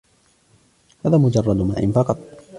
هذا مجرّد ماء فقط.